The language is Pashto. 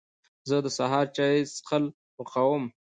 زه د سهار د چای څښل خوښوم.